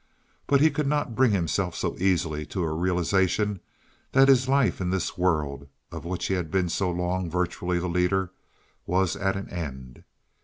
But he could not bring himself so easily to a realization that his life in this world, of which he had been so long virtually the leader, was at an end.